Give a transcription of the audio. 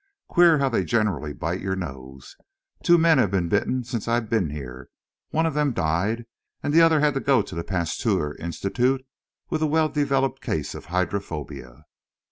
Queer how they generally bite your nose. Two men have been bitten since I've been here. One of them died, and the other had to go to the Pasteur Institute with a well developed case of hydrophobia."